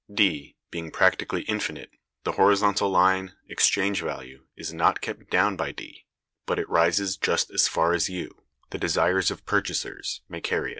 D being practically infinite, the horizontal line, exchange value, is not kept down by D, but it rises just as far as U, the desires of purchasers, may carry it.